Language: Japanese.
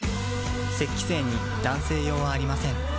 精に男性用はありません